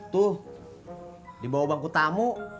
tuh di bawah bangku tamu